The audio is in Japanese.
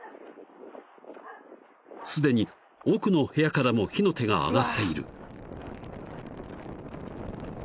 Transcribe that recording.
［すでに奥の部屋からも火の手が上がっている］